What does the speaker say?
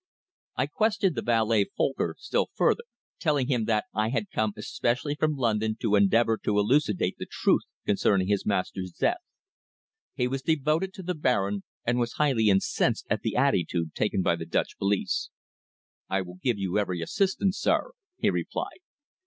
I questioned the valet, Folcker, still further, telling him that I had come especially from London to endeavour to elucidate the truth concerning his master's death. He was devoted to the Baron, and was highly incensed at the attitude taken by the Dutch police. "I will give you every assistance, sir," he replied.